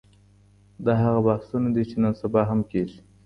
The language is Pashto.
دا هغه بحثونه دي چي نن سبا هم کېږي.